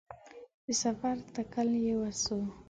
د سفر تکل یې وسو